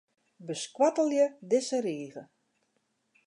Beskoattelje dizze rige.